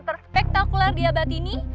terspektakuler di abad ini